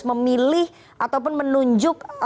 memilih ataupun menunjuk